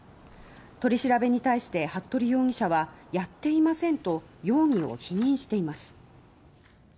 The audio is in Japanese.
取り調べに対して服部容疑者はやっていませんと容疑を否認しています。